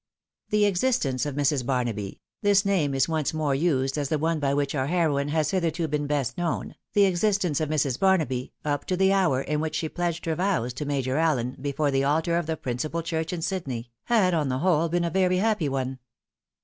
The existence of Mrs. Barnaby (this name is once more used as the one by which our heroine has hitherto been best known), the existence of Mrs. Barnaby, up to the hour in which she pledged her vows to Major Allen, before the altar of the principal church in Sydney, had, on the whole, been a very happy one.